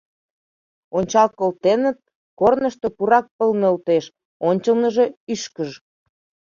Ончал колтеныт: корнышто пурак пыл нӧлтеш, ончылныжо — ӱшкыж.